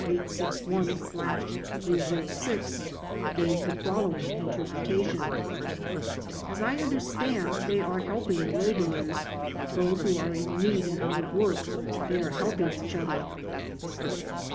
54861/306) gave the following interpretation: ''As I understand they are helping the laborers, those who are in need and out of work, they are helping each other."